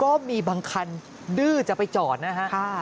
ก็มีบางคันดื้อจะไปจอดนะฮะ